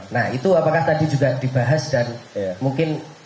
nah itu apakah tadi juga dibahas dan mungkin